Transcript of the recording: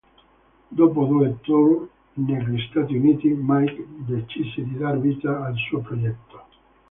Dopo due tour negli Stati Uniti, Mike decise di dar vita al suo progetto.